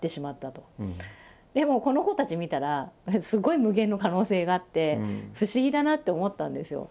でもこの子たち見たらすごい無限の可能性があって不思議だなって思ったんですよ。